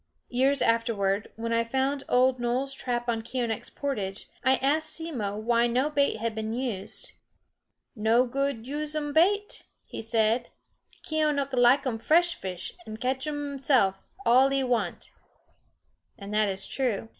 Years afterward, when I found old Noel's trap on Keeonekh's portage, I asked Simmo why no bait had been used. "No good use um bait," he said, "Keeonekh like um fresh fish, an' catch um self all he want." And that is true.